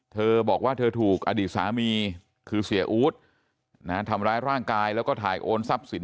เธอบอกว่าเธอถูกอดีตสามีคือเสียอู๊ดทำร้ายร่างกายแล้วก็ถ่ายโอนทรัพย์สิน